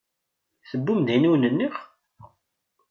Tewwim-d ayen i wen-nniɣ?